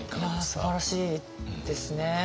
いやすばらしいですね。